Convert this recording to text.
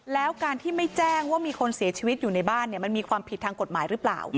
แล้วการที่ไม่แจ้งว่ามีคนเสียชีวิตอยู่ในบ้านมันมีความผิดทางกฎหมายหรือเปล่า